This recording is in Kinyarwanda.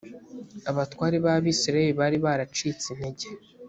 abatware b abisirayeli bari baracitse intege